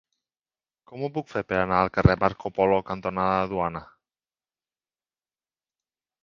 Com ho puc fer per anar al carrer Marco Polo cantonada Duana?